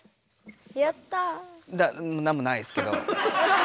なんもないですけど。